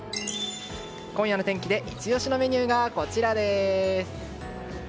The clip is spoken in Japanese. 今夜の天気でイチ押しのメニューがこちらです。